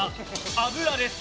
油です。